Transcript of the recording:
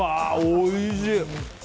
おいしい！